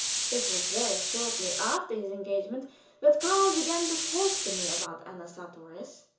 It was very shortly after his engagement that Karl began to talk to me about Anna Sartorius.